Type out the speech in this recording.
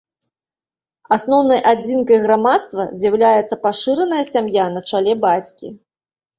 Асноўнай адзінкай грамадства з'яўляецца пашыраная сям'я на чале бацькі.